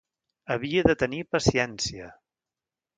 Havia de tenir paciència.